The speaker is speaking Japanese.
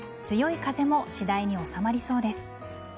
強い風も次第に収まりそうです。